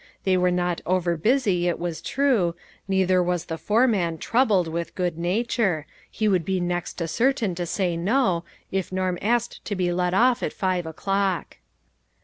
They were not over busy it was true, neither was the foreman troubled with good nature ; he would be next to certain to say no, if Norm asked to be let off at five o'clock.